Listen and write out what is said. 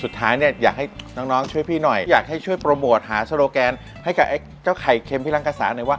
สุดท้ายอยากให้น้องช่วยพี่หน่อยอยากให้ช่วยโปรโมทหาโชโลแกนให้กับไข่เค็มพิลังกาซาไหนว่า